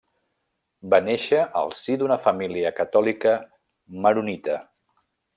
Va néixer al si d'una família catòlica maronita.